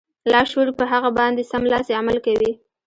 لاشعور په هغه باندې سملاسي عمل کوي